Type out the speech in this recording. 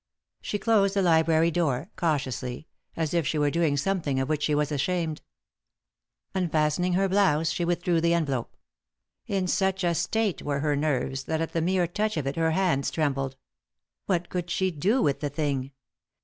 She closed the library door, cautiously, as if she were doing something of which she was ashamed. Unfastening her blouse she withdrew the envelope. In such a state were her nerves that at the mere touch of it her hands trembled. What could she do with the thing?